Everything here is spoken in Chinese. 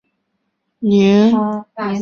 至元十五年。